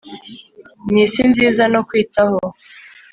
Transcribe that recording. ni isi nziza no kwitaho